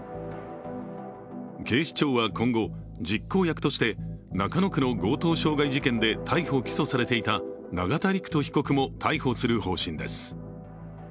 警視庁は今後、実行役として中野区の強盗傷害事件で逮捕・起訴されていた永田陸人被告も逮捕する方針です。